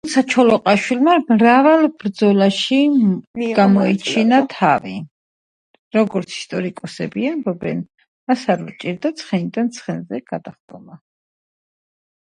ასეთ ძმობაში გაატარეს მთელი ცხოვრება და ღმერთმაც დაუფასა